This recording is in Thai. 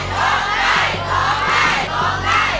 มาฟังอินโทรเพลงที่๑๐